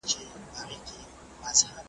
نیمايی ډوډۍ یې نه وه لا خوړلې .